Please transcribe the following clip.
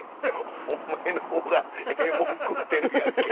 お前のほうがええもん食ってるやんけ。